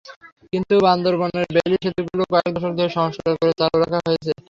কিন্তু বান্দরবানের বেইলি সেতুগুলো কয়েক দশক ধরে সংস্কার করে চালু রাখা হয়েছে।